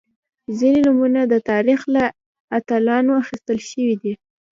• ځینې نومونه د تاریخ له اتلانو اخیستل شوي دي.